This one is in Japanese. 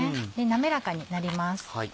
滑らかになります。